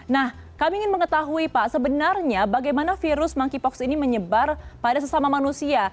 nah kami ingin mengetahui pak sebenarnya bagaimana virus monkeypox ini menyebar pada sesama manusia